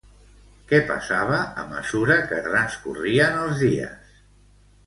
Què passava a mesura que transcorrien els dies?